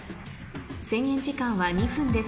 制限時間は２分です